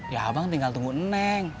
ya abang tinggal tunggu neneng